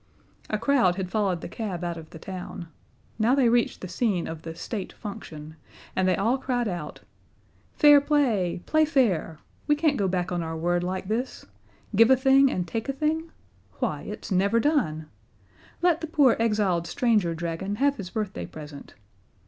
A crowd had followed the cab out of the town; now they reached the scene of the "State Function" and they all cried out: "Fair play play fair! We can't go back on our word like this. Give a thing and take a thing? Why, it's never done. Let the poor exiled stranger dragon have his birthday present."